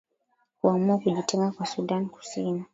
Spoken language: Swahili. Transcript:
kuamua kujitenga kwa sudan kusini